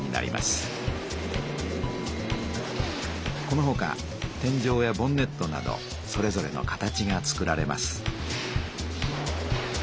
このほか天じょうやボンネットなどそれぞれの形がつくられます。